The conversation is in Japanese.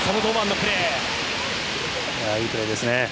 いいプレーですね。